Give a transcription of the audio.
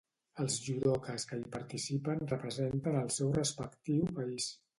Els judokes que hi participen representen el seu respectiu país.